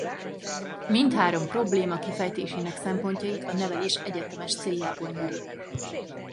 Mindhárom probléma kifejtésének szempontjait a nevelés egyetemes céljából nyeri.